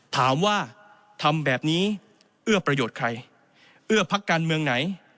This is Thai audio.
ถามว่าทำแบบนี้เอื้อประโยชน์ใครเอื้อพักการเมืองไหน